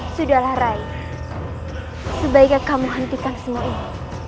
sudahlah rai sebaiknya kamu hentikan semua ini